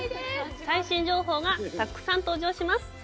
最新情報がたくさん登場します。